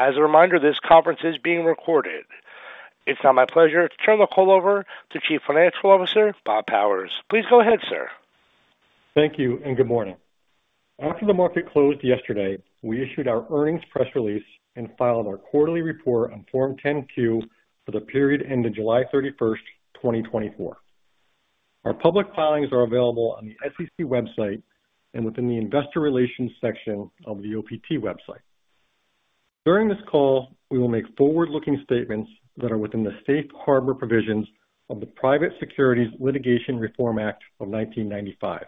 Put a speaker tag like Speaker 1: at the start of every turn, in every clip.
Speaker 1: ...As a reminder, this conference is being recorded. It's now my pleasure to turn the call over to Chief Financial Officer, Bob Powers. Please go ahead, sir.
Speaker 2: Thank you, and good morning. After the market closed yesterday, we issued our earnings press release and filed our quarterly report on Form 10-Q for the period ending July 31, 2024. Our public filings are available on the SEC website and within the Investor Relations section of the OPT website. During this call, we will make forward-looking statements that are within the safe harbor provisions of the Private Securities Litigation Reform Act of 1995.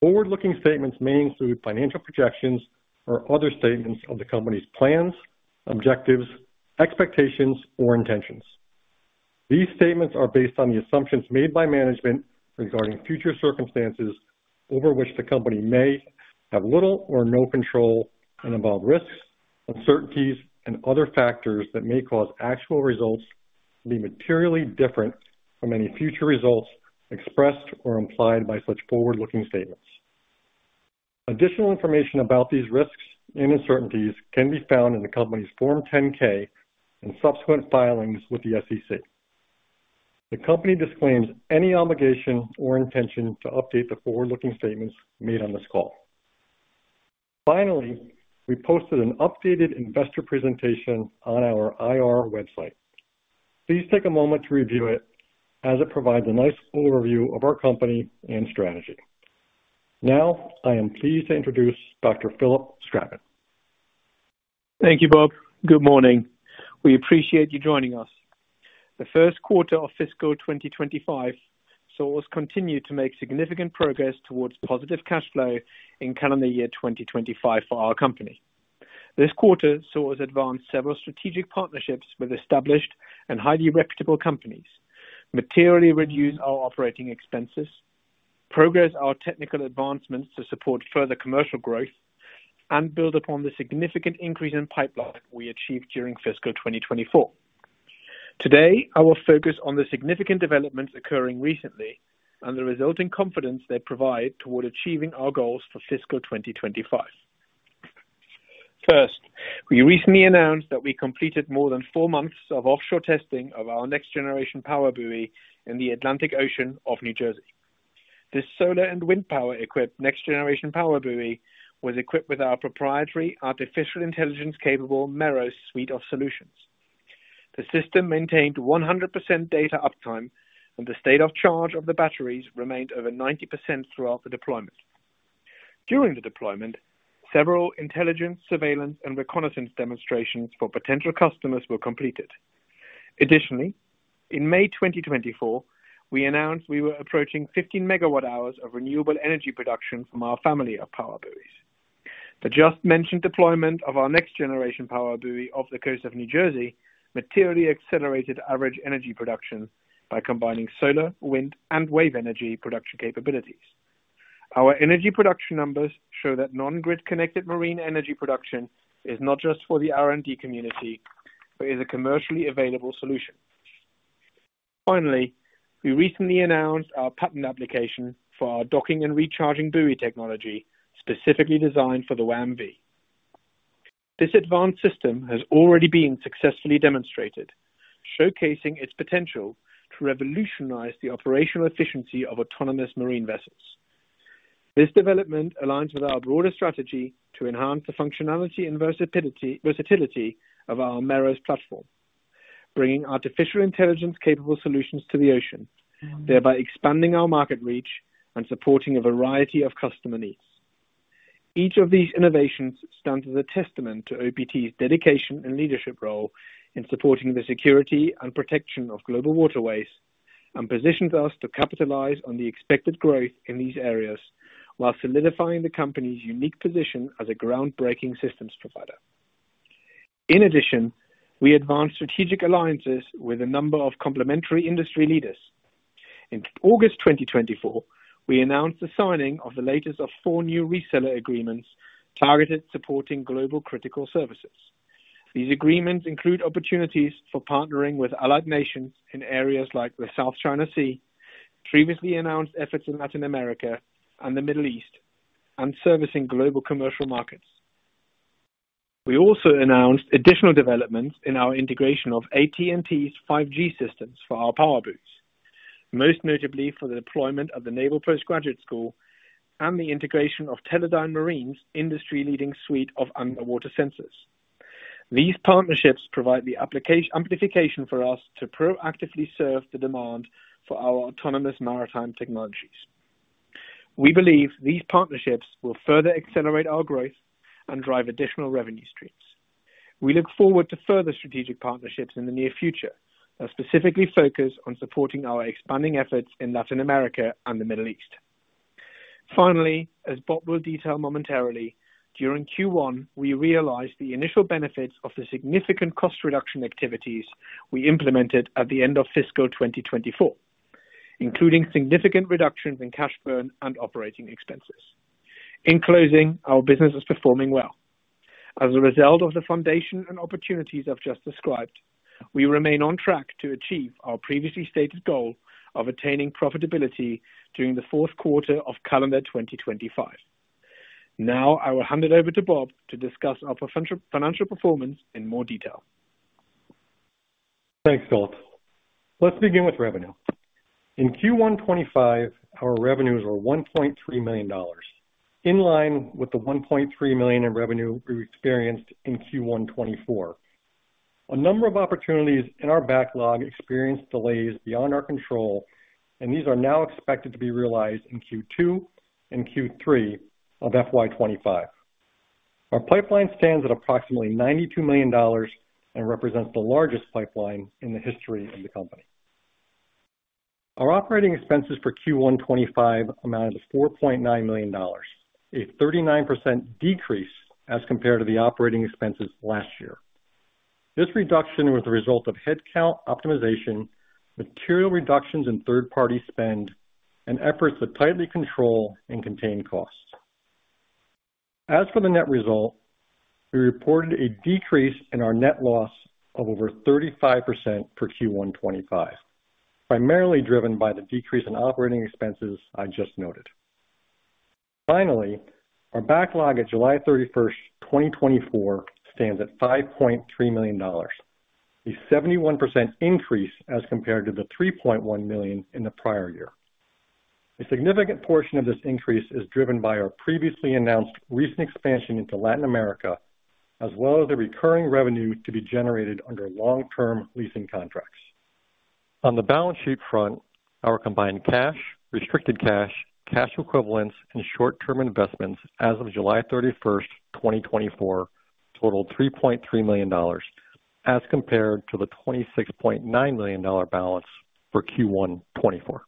Speaker 2: Forward-looking statements may include financial projections or other statements of the company's plans, objectives, expectations, or intentions. These statements are based on the assumptions made by management regarding future circumstances over which the company may have little or no control, and involve risks, uncertainties, and other factors that may cause actual results to be materially different from any future results expressed or implied by such forward-looking statements. Additional information about these risks and uncertainties can be found in the company's Form 10-K and subsequent filings with the SEC. The company disclaims any obligation or intention to update the forward-looking statements made on this call. Finally, we posted an updated investor presentation on our IR website. Please take a moment to review it as it provides a nice overview of our company and strategy. Now, I am pleased to introduce Dr. Philipp Stratmann.
Speaker 3: Thank you, Bob. Good morning. We appreciate you joining us. The first quarter of fiscal 2025 saw us continue to make significant progress towards positive cash flow in calendar year 2025 for our company. This quarter saw us advance several strategic partnerships with established and highly reputable companies, materially reduce our operating expenses, progress our technical advancements to support further commercial growth, and build upon the significant increase in pipeline we achieved during fiscal 2024. Today, I will focus on the significant developments occurring recently and the resulting confidence they provide toward achieving our goals for fiscal 2025. First, we recently announced that we completed more than four months of offshore testing of our Next Generation PowerBuoy in the Atlantic Ocean off New Jersey. This solar and wind power-equipped Next Generation PowerBuoy was equipped with our proprietary artificial intelligence-capable Merrows suite of solutions. The system maintained 100% data uptime, and the state of charge of the batteries remained over 90% throughout the deployment. During the deployment, several intelligence, surveillance, and reconnaissance demonstrations for potential customers were completed. Additionally, in May 2024, we announced we were approaching 15 megawatt-hours of renewable energy production from our family of PowerBuoys. The just mentioned deployment of our Next Generation PowerBuoy off the coast of New Jersey materially accelerated average energy production by combining solar, wind, and wave energy production capabilities. Our energy production numbers show that non-grid connected marine energy production is not just for the R&D community, but is a commercially available solution. Finally, we recently announced our patent application for our docking and recharging buoy technology, specifically designed for the WAM-V. This advanced system has already been successfully demonstrated, showcasing its potential to revolutionize the operational efficiency of autonomous marine vessels. This development aligns with our broader strategy to enhance the functionality and versatility of our Merrows platform, bringing artificial intelligence-capable solutions to the ocean, thereby expanding our market reach and supporting a variety of customer needs. Each of these innovations stand as a testament to OPT's dedication and leadership role in supporting the security and protection of global waterways, and positions us to capitalize on the expected growth in these areas, while solidifying the company's unique position as a groundbreaking systems provider. In addition, we advanced strategic alliances with a number of complementary industry leaders. In August 2024, we announced the signing of the latest of four new reseller agreements targeted at supporting global critical services. These agreements include opportunities for partnering with allied nations in areas like the South China Sea, previously announced efforts in Latin America and the Middle East, and servicing global commercial markets. We also announced additional developments in our integration of AT&T's 5G systems for our PowerBuoys, most notably for the deployment of the Naval Postgraduate School and the integration of Teledyne Marine's industry-leading suite of underwater sensors. These partnerships provide the amplification for us to proactively serve the demand for our autonomous maritime technologies. We believe these partnerships will further accelerate our growth and drive additional revenue streams. We look forward to further strategic partnerships in the near future that specifically focus on supporting our expanding efforts in Latin America and the Middle East. Finally, as Bob will detail momentarily, during Q1, we realized the initial benefits of the significant cost reduction activities we implemented at the end of fiscal 2024, including significant reductions in cash burn and operating expenses. In closing, our business is performing well. As a result of the foundation and opportunities I've just described... We remain on track to achieve our previously stated goal of attaining profitability during the fourth quarter of calendar 2025. Now, I will hand it over to Bob to discuss our financial performance in more detail.
Speaker 2: Thanks, Philipp. Let's begin with revenue. In Q1 2025, our revenues were $1.3 million, in line with the $1.3 million in revenue we experienced in Q1 2024. A number of opportunities in our backlog experienced delays beyond our control, and these are now expected to be realized in Q2 and Q3 of FY 2025. Our pipeline stands at approximately $92 million and represents the largest pipeline in the history of the company. Our operating expenses for Q1 2025 amounted to $4.9 million, a 39% decrease as compared to the operating expenses last year. This reduction was the result of headcount optimization, material reductions in third-party spend, and efforts to tightly control and contain costs. As for the net result, we reported a decrease in our net loss of over 35% for Q1 2025, primarily driven by the decrease in operating expenses I just noted. Finally, our backlog at July 31, 2024, stands at $5.3 million, a 71% increase as compared to the $3.1 million in the prior year. A significant portion of this increase is driven by our previously announced recent expansion into Latin America, as well as the recurring revenue to be generated under long-term leasing contracts. On the balance sheet front, our combined cash, restricted cash, cash equivalents, and short-term investments as of July 31, 2024, totaled $3.3 million, as compared to the $26.9 million balance for Q1 2024.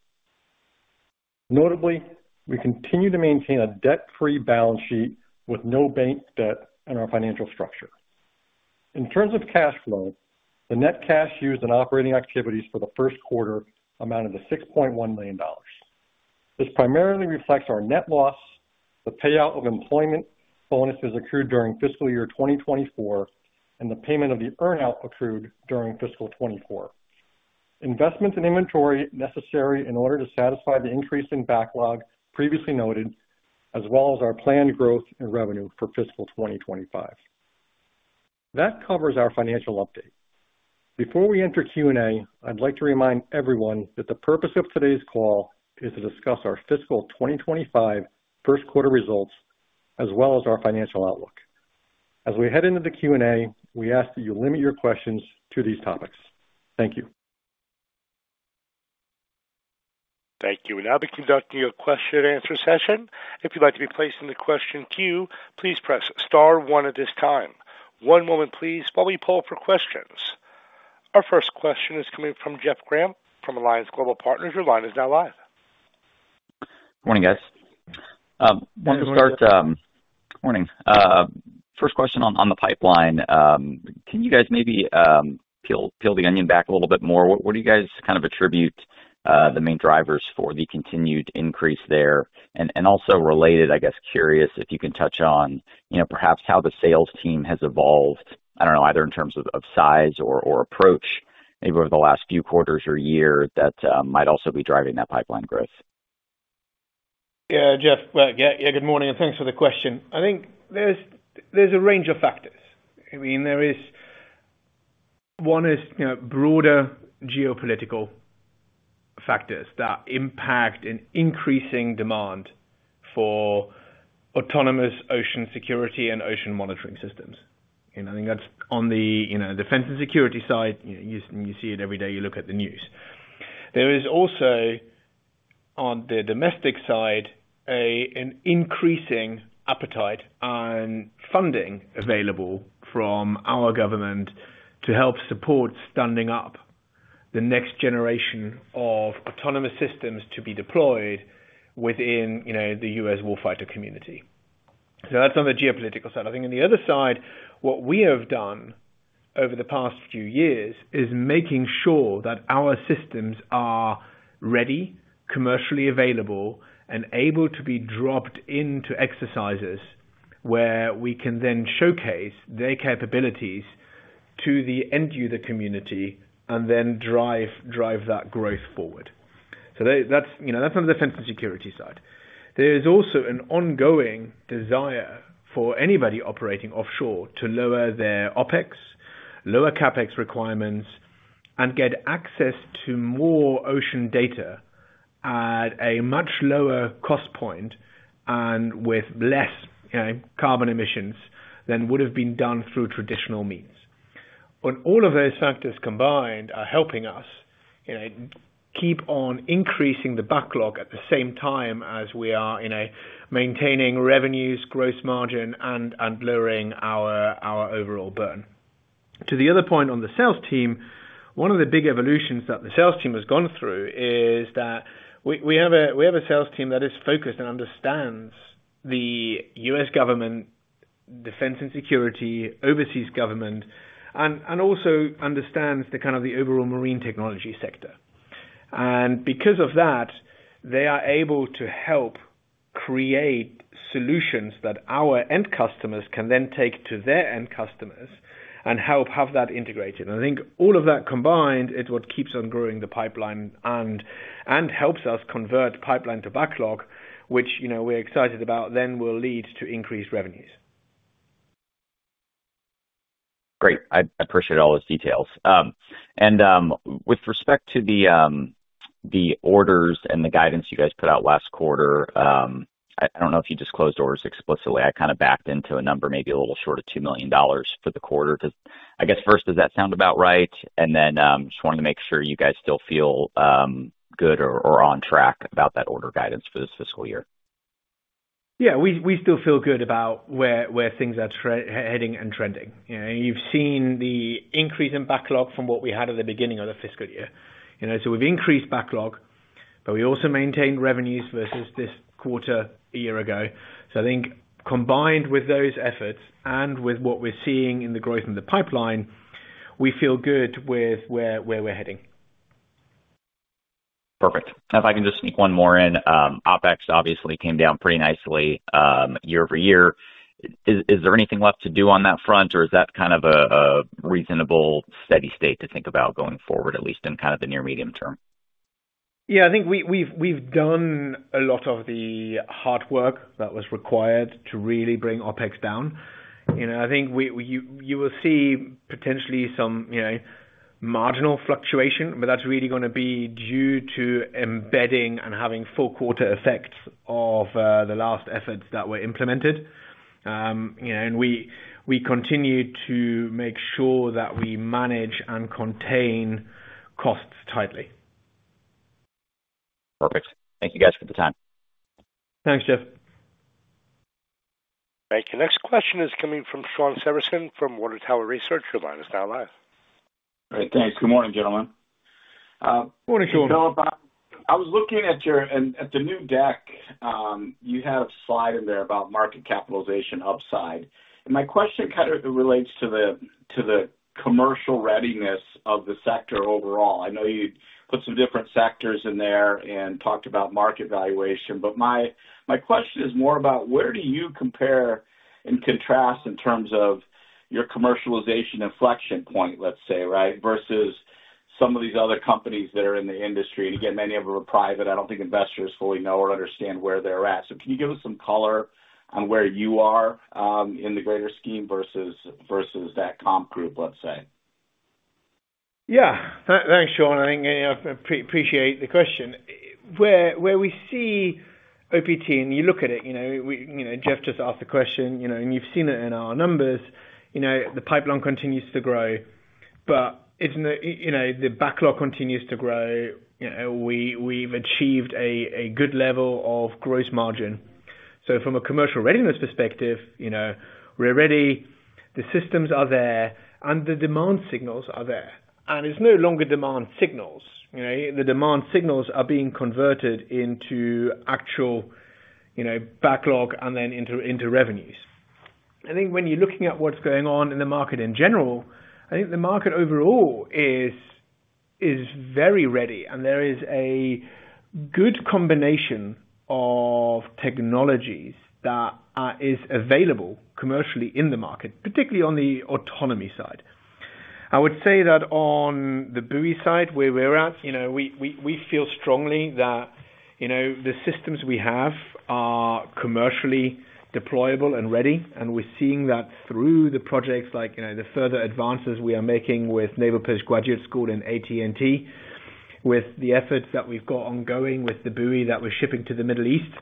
Speaker 2: Notably, we continue to maintain a debt-free balance sheet with no bank debt in our financial structure. In terms of cash flow, the net cash used in operating activities for the first quarter amounted to $6.1 million. This primarily reflects our net loss, the payout of employment bonuses accrued during fiscal year 2024, and the payment of the earn-out accrued during fiscal 2024, investments in inventory necessary in order to satisfy the increase in backlog previously noted, as well as our planned growth and revenue for fiscal 2025. That covers our financial update. Before we enter Q&A, I'd like to remind everyone that the purpose of today's call is to discuss our fiscal 2025 first quarter results, as well as our financial outlook. As we head into the Q&A, we ask that you limit your questions to these topics. Thank you.
Speaker 1: Thank you. We'll now be conducting a question and answer session. If you'd like to be placed in the question queue, please press star one at this time. One moment, please, while we pull for questions. Our first question is coming from Jeff Grampp from Alliance Global Partners. Your line is now live.
Speaker 4: Morning, guys. First question on the pipeline. Can you guys maybe peel the onion back a little bit more? What do you guys kind of attribute the main drivers for the continued increase there? And also related, I guess, curious if you can touch on, you know, perhaps how the sales team has evolved, I don't know, either in terms of size or approach maybe over the last few quarters or year that might also be driving that pipeline growth.
Speaker 3: Yeah, Jeff. Well, yeah, yeah, good morning, and thanks for the question. I think there's a range of factors. I mean, there is... One is, you know, broader geopolitical factors that impact an increasing demand for autonomous ocean security and ocean monitoring systems. And I think that's on the, you know, defense and security side. You see it every day you look at the news. There is also, on the domestic side, an increasing appetite on funding available from our government to help support standing up the next generation of autonomous systems to be deployed within, you know, the U.S. warfighter community. So that's on the geopolitical side. I think on the other side, what we have done over the past few years is making sure that our systems are ready, commercially available, and able to be dropped into exercises, where we can then showcase their capabilities to the end user community and then drive that growth forward. So that's, you know, that's on the defense and security side. There is also an ongoing desire for anybody operating offshore to lower their OpEx, lower CapEx requirements, and get access to more ocean data at a much lower cost point and with less, you know, carbon emissions than would have been done through traditional means. When all of those factors combined are helping us, you know, keep on increasing the backlog, at the same time as we are maintaining revenues, gross margin, and lowering our overall burn. To the other point on the sales team, one of the big evolutions that the sales team has gone through is that we have a sales team that is focused and understands the U.S. government defense and security, overseas government, and also understands the kind of the overall marine technology sector, and because of that, they are able to help create solutions that our end customers can then take to their end customers and help have that integrated. I think all of that combined is what keeps on growing the pipeline and helps us convert pipeline to backlog, which, you know, we're excited about, then will lead to increased revenues.
Speaker 4: Great. I appreciate all those details and with respect to the orders and the guidance you guys put out last quarter, I don't know if you disclosed orders explicitly. I kind of backed into a number, maybe a little short of $2 million for the quarter. I guess, first, does that sound about right and then just wanted to make sure you guys still feel good or on track about that order guidance for this fiscal year.
Speaker 3: Yeah, we still feel good about where things are heading and trending. You know, you've seen the increase in backlog from what we had at the beginning of the fiscal year. You know, so we've increased backlog, but we also maintained revenues versus this quarter a year ago. So I think combined with those efforts and with what we're seeing in the growth in the pipeline, we feel good with where we're heading.
Speaker 4: Perfect. If I can just sneak one more in. OpEx obviously came down pretty nicely, year-over-year. Is there anything left to do on that front, or is that kind of a reasonable steady state to think about going forward, at least in kind of the near medium term?
Speaker 3: Yeah, I think we've done a lot of the hard work that was required to really bring OpEx down. You know, I think you will see potentially some, you know, marginal fluctuation, but that's really gonna be due to embedding and having full quarter effects of the last efforts that were implemented. You know, and we continue to make sure that we manage and contain costs tightly.
Speaker 4: Perfect. Thank you guys for the time.
Speaker 3: Thanks, Jeff.
Speaker 1: Thank you. Next question is coming from Shawn Severson from Water Tower Research. Your line is now live.
Speaker 5: Great. Thanks. Good morning, gentlemen.
Speaker 3: Morning, Shawn.
Speaker 5: Philipp, I was looking at your new deck. You had a slide in there about market capitalization upside, and my question kind of relates to the commercial readiness of the sector overall. I know you put some different sectors in there and talked about market valuation, but my question is more about where do you compare and contrast in terms of your commercialization inflection point, let's say, right, versus some of these other companies that are in the industry? And again, many of them are private. I don't think investors fully know or understand where they're at. So can you give us some color on where you are in the greater scheme versus that comp group, let's say?
Speaker 3: Yeah. Thanks, Shawn. I think, I appreciate the question. Where we see OPT, and you look at it, you know, Jeff just asked the question, you know, and you've seen it in our numbers, you know, the pipeline continues to grow, but it's no. You know, the backlog continues to grow. You know, we, we've achieved a good level of gross margin. So from a commercial readiness perspective, you know, we're ready, the systems are there, and the demand signals are there. And it's no longer demand signals, you know. The demand signals are being converted into actual, you know, backlog and then into revenues. I think when you're looking at what's going on in the market in general, I think the market overall is very ready, and there is a good combination of technologies that is available commercially in the market, particularly on the autonomy side. I would say that on the buoy side, where we're at, you know, we feel strongly that, you know, the systems we have are commercially deployable and ready, and we're seeing that through the projects like, you know, the further advances we are making with Naval Postgraduate School and AT&T, with the efforts that we've got ongoing, with the buoy that we're shipping to the Middle East.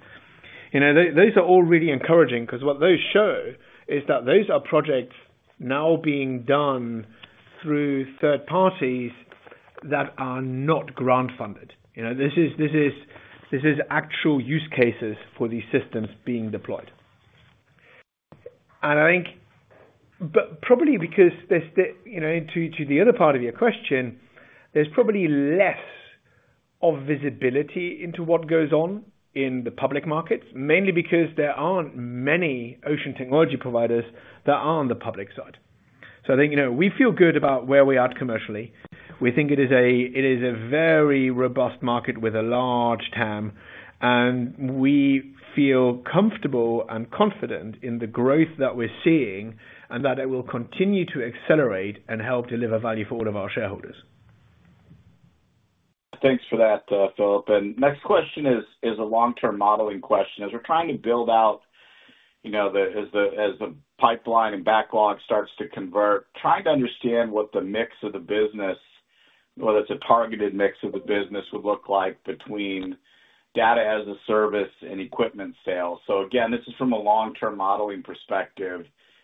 Speaker 3: You know, those are all really encouraging because what those show is that those are projects now being done through third parties that are not grant funded. You know, this is actual use cases for these systems being deployed. I think, but probably because there's the, you know, to the other part of your question, there's probably less of visibility into what goes on in the public markets, mainly because there aren't many ocean technology providers that are on the public side. So I think, you know, we feel good about where we are at commercially. We think it is a very robust market with a large TAM, and we feel comfortable and confident in the growth that we're seeing, and that it will continue to accelerate and help deliver value for all of our shareholders.
Speaker 5: Thanks for that, uh, Philipp. And next question is a long-term modeling question. As we're trying to build out, you know, the pipeline and backlog starts to convert, trying to understand what the mix of the business, whether it's a targeted mix of the business, would look like between data as a service and equipment sales. So again, this is from a long-term modeling perspective,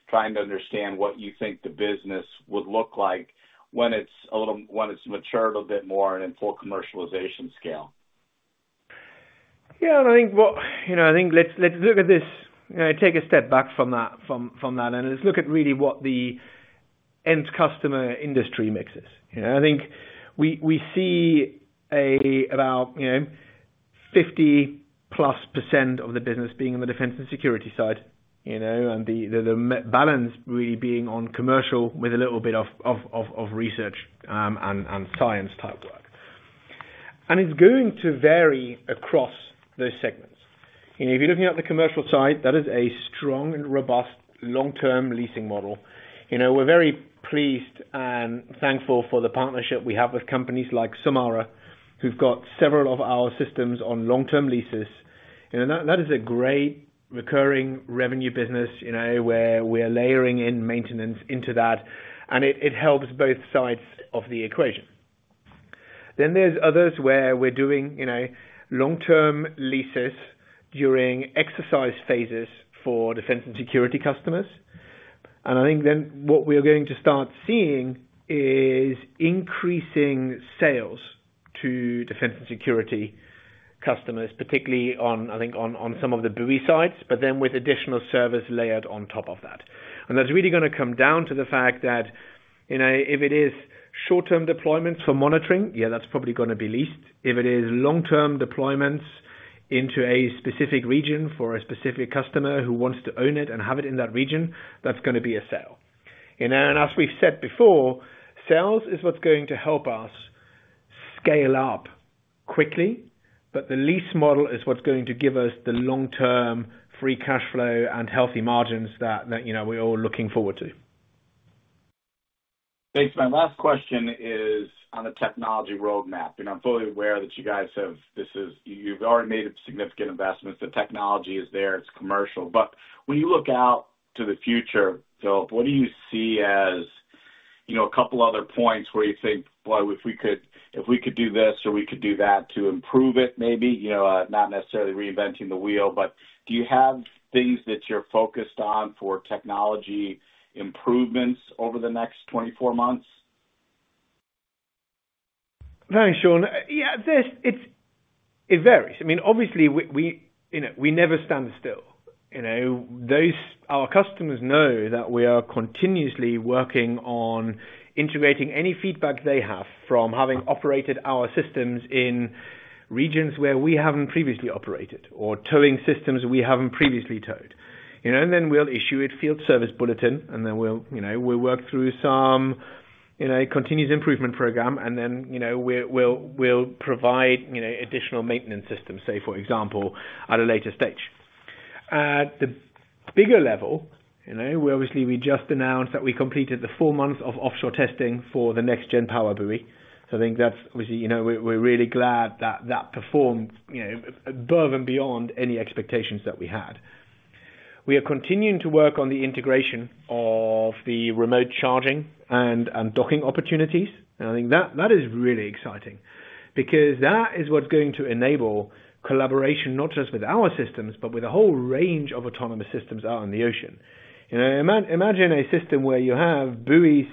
Speaker 5: trying to understand what you think the business would look like when it's a little, when it's matured a bit more and in full commercialization scale.
Speaker 3: Yeah, I think, you know, let's look at this, you know, take a step back from that, and let's look at really what the end customer industry mix is. You know, I think we see about 50%+ of the business being in the defense and security side, you know, and the balance really being on commercial with a little bit of research and science type work. It's going to vary across those segments. You know, if you're looking at the commercial side, that is a strong and robust long-term leasing model. You know, we're very pleased and thankful for the partnership we have with companies like Sulmara, who've got several of our systems on long-term leases. That is a great recurring revenue business, you know, where we're layering in maintenance into that, and it helps both sides of the equation. There are others where we're doing, you know, long-term leases during exercise phases for defense and security customers. I think then what we are going to start seeing is increasing sales to defense and security customers, particularly on, I think, some of the buoy sides, but then with additional service layered on top of that. That's really gonna come down to the fact that, you know, if it is short-term deployments for monitoring, yeah, that's probably gonna be leased. If it is long-term deployments into a specific region for a specific customer who wants to own it and have it in that region, that's gonna be a sale. And then, as we've said before, sales is what's going to help us scale up quickly, but the lease model is what's going to give us the long-term free cashflow and healthy margins that, you know, we're all looking forward to.
Speaker 5: Thanks. My last question is on the technology roadmap, and I'm fully aware that you guys have already made significant investments. The technology is there, it's commercial. But when you look out to the future, so what do you see as, you know, a couple other points where you think, "Well, if we could, if we could do this or we could do that to improve it," maybe? You know, not necessarily reinventing the wheel, but do you have things that you're focused on for technology improvements over the next 24 months?
Speaker 3: Thanks, Shawn. Yeah, it varies. I mean, obviously, we never stand still, you know? Our customers know that we are continuously working on integrating any feedback they have from having operated our systems in regions where we haven't previously operated or towing systems we haven't previously towed. You know, and then we'll issue a field service bulletin, and then we'll, you know, work through some continuous improvement program, and then, you know, we'll provide additional maintenance systems, say, for example, at a later stage. At the bigger level, you know, we obviously just announced that we completed the four months of offshore testing for the next-gen PowerBuoy. So I think that's obviously, you know, we're really glad that that performed, you know, above and beyond any expectations that we had. We are continuing to work on the integration of the remote charging and docking opportunities, and I think that is really exciting because that is what's going to enable collaboration, not just with our systems, but with a whole range of autonomous systems out in the ocean. You know, imagine a system where you have buoys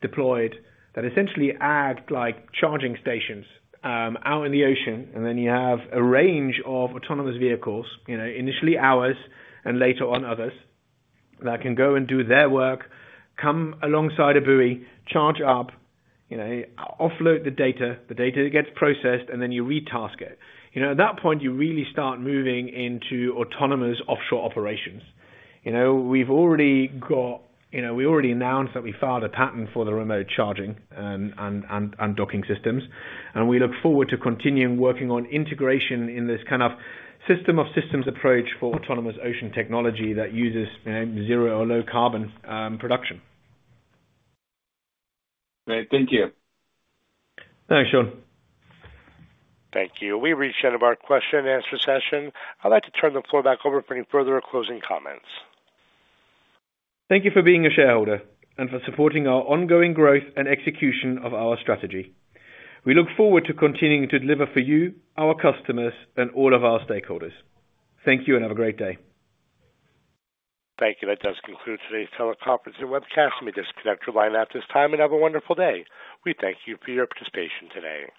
Speaker 3: deployed that essentially act like charging stations out in the ocean, and then you have a range of autonomous vehicles, you know, initially ours, and later on others, that can go and do their work, come alongside a buoy, charge up, you know, offload the data, the data gets processed, and then you re-task it. You know, at that point, you really start moving into autonomous offshore operations. You know, we've already got... You know, we already announced that we filed a patent for the remote charging and docking systems, and we look forward to continuing working on integration in this kind of system of systems approach for autonomous ocean technology that uses, you know, zero or low carbon production.
Speaker 5: Great. Thank you.
Speaker 3: Thanks, Shawn.
Speaker 1: Thank you. We've reached the end of our question and answer session. I'd like to turn the floor back over for any further closing comments.
Speaker 3: Thank you for being a shareholder and for supporting our ongoing growth and execution of our strategy. We look forward to continuing to deliver for you, our customers, and all of our stakeholders. Thank you, and have a great day.
Speaker 1: Thank you. That does conclude today's teleconference and webcast. You may disconnect your line at this time, and have a wonderful day. We thank you for your participation today.